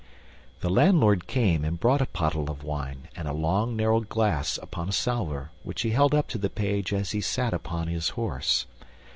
The landlord came and brought a pottle of wine and a long narrow glass upon a salver, which he held up to the Page as he sat upon his horse.